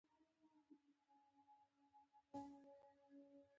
دا ټول حقیقت دی چې ما تاسو ته وویل